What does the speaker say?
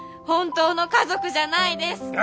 本当の家族じゃないです。